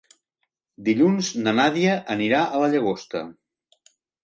Dilluns na Nàdia anirà a la Llagosta.